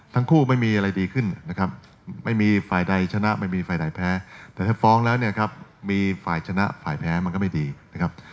ที่ฝ่ายชนะฝ่ายแพ้มันก็ไม่ดีนะครับ